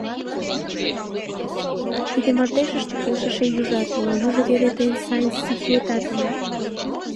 Тиде мардежыште келшыше южат уло, южо вере тыйын сай стихетат уло...